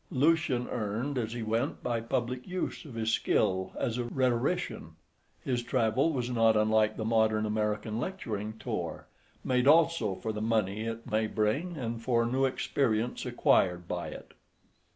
Lucian earned as he went by public use of his skill as a rhetorician. His travel was not unlike the modern American lecturing tour, made also for the money it may bring and for the new experience acquired by it.